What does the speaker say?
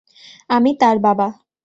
আমি তার বাবা।